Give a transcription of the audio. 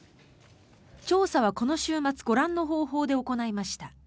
調査はこの週末ご覧の方法で行いました。